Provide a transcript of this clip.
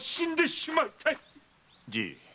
じい。